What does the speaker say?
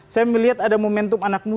saya melihat ada momen momen yang sangat banyak